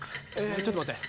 ちょっと待って。